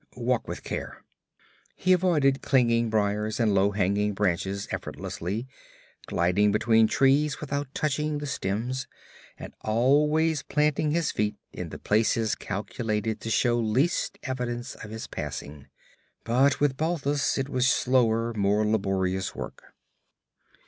Walk with care.' He avoided clinging briars and low hanging branches effortlessly, gliding between trees without touching the stems and always planting his feet in the places calculated to show least evidence of his passing; but with Balthus it was slower, more laborious work.